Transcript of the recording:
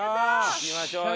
行きましょうよ。